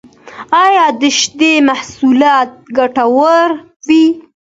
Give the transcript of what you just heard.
ایا د شیدو محصولات ګټور وی؟